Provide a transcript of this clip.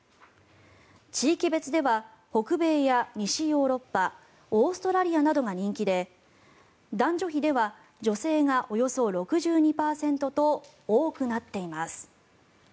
地域別では北米や西ヨーロッパオーストラリアなどが人気で男女比では女性がおよそ６２％と多くなっています。